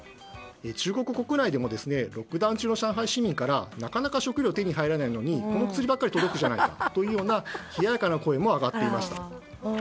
中国国内でもロックダウン中の上海市民からなかなか食料が手に入らないのにこの薬ばかり届くじゃないかという冷ややかな声も上がっていました。